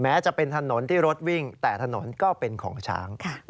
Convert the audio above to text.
จะเป็นถนนที่รถวิ่งแต่ถนนก็เป็นของช้าง